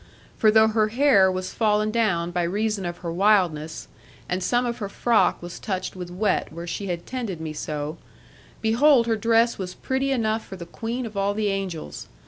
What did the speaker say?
For though her hair was fallen down by reason of her wildness, and some of her frock was touched with wet where she had tended me so, behold her dress was pretty enough for the queen of all the angels.